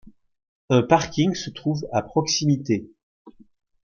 Un parking se trouve à proximité.